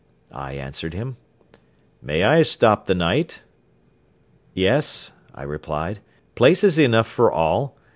I answered him. "May I stop the night?" "Yes," I replied, "places enough for all.